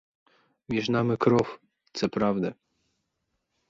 Між нами кров, це правда.